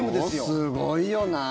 すごいよな。